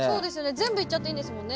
全部いっちゃっていいんですもんね